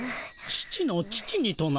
父の父にとな？